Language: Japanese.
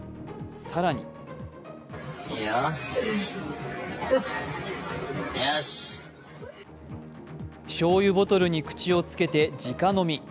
更にしょうゆボトルに口をつけて直飲み。